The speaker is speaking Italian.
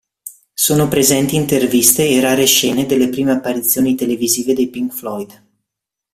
Sono presenti interviste e rare scene delle prime apparizioni televisive dei Pink Floyd.